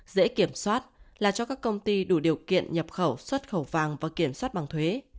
dễ kiểm soát là cho các công ty đủ điều kiện nhập khẩu xuất khẩu vàng và kiểm soát bằng thuế